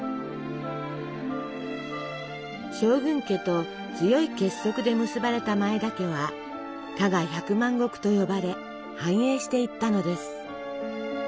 将軍家と強い結束で結ばれた前田家は「加賀百万石」と呼ばれ繁栄していったのです。